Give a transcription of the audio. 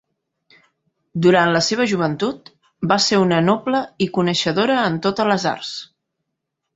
Durant la seva joventut, va ser una noble i coneixedora en totes les arts.